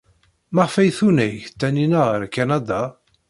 Maɣef ay tunag Taninna ɣer Kanada?